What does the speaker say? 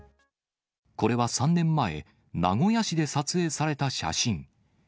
これは３年前、名古屋市で撮影された写真。